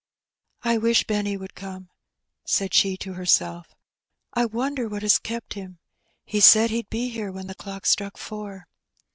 Her Benny. '' I wish Benny would come/' said she to herself. *' I wonder what has kept him? He said he'd be here when the clock struck four."